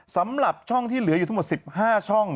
สำหรับช่องที่เหลืออยู่ทั้งหมด๑๕ช่อง